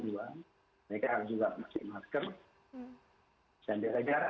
mereka juga harus memakai masker dan beri jarak